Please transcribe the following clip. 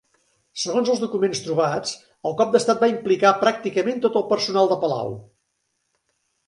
Segons els documents trobats, el cop d'estat va implicar pràcticament tot el personal de palau.